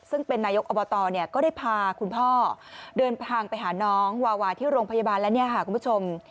ซึ่งเป็นนายกอบตก็ได้พาคุณพ่อเดินทางไปหาน้องวาวาที่โรงพยาบาลแล้วเนี่ยค่ะคุณผู้ชม